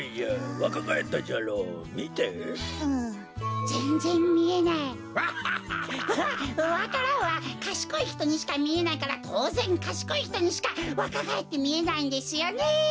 わわか蘭はかしこいひとにしかみえないからとうぜんかしこいひとにしかわかがえってみえないんですよね。